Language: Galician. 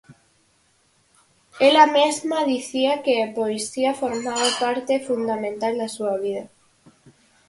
Ela mesma dicía que a poesía formaba parte fundamental da súa vida.